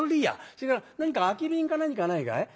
それから何か空き瓶か何かないかい？